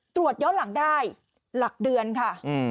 ตรวจย้อนหลังได้หลักเดือนค่ะ